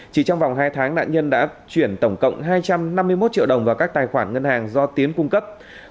chỉ trong vòng hai tháng nạn nhân đã chuyển tổng cộng hai trăm năm mươi một triệu đồng vào các tài khoản ngân hàng do tiến cung cấp